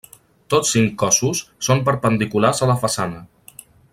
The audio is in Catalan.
Tots cinc cossos són perpendiculars a la façana.